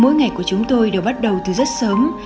mỗi ngày của chúng tôi đều bắt đầu từ rất sớm